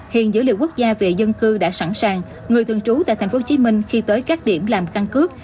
hiện dữ liệu quốc gia về dân cư đã sẵn sàng người thường trú tại tp hcm khi tới các điểm làm căn cước